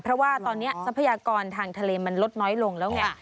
เพราะว่าตอนนี้ทรัพยากรทางทะเลมันลดน้อยลงแล้วไง